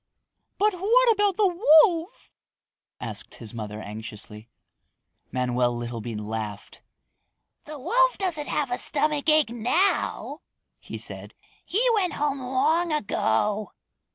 "What about the wolf?" asked his mother anxiously. Manoel Littlebean laughed. "The wolf doesn't have any stomachache now," he said. "He went home long ago."